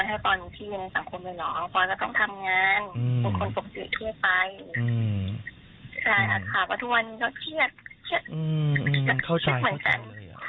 เราก็บอกตามที่เรารู้ทุกอย่างแล้ว